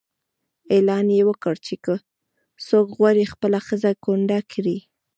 اعلان یې وکړ چې که څوک غواړي خپله ښځه کونډه کړي.